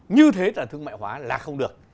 như thế là thương mại hóa là không được